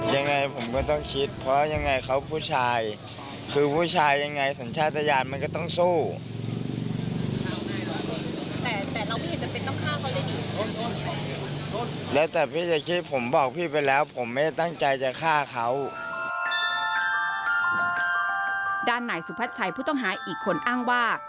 ด้านนายสุภัทรชัยผู้ต้องหายอีกคนอ้างว่า